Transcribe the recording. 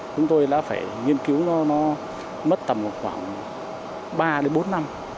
chúng tôi đã phải nghiên cứu cho nó mất tầm khoảng ba bốn năm